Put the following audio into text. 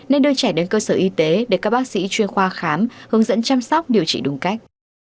nên đưa trẻ đến cơ sở y tế để các bác sĩ chuyên khoa khám hướng dẫn chăm sóc điều trị đúng cách